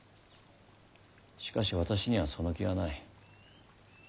しかし私にはその気はない。